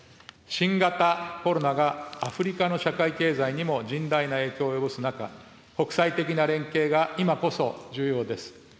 新型コロナがアフリカの社会経済にも甚大な影響を及ぼす中、国際的な連携が今こそ重要です。